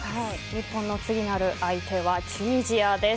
日本の次なる相手はチュニジアです。